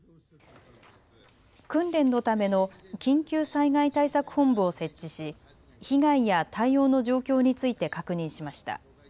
訓練のための緊急災害対策本部を設置し被害や対応の状況について確認しました。